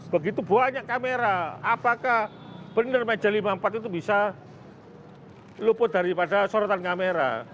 begitu banyak kamera apakah benar meja lima puluh empat itu bisa luput daripada sorotan kamera